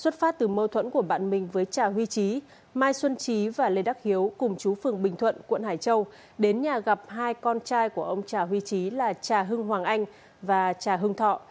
trà huy trí mai xuân trí và lê đắc hiếu cùng chú phường bình thuận quận hải châu đến nhà gặp hai con trai của ông trà huy trí là trà hưng hoàng anh và trà hưng thọ